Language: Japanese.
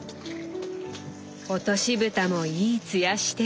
落としぶたもいいつやしてる。